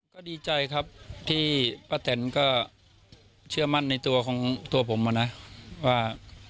ก็ดีใจครับที่ป้าแตนเชื่อมั่นในตัวผมว่า